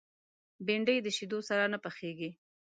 بېنډۍ د شیدو سره نه پخېږي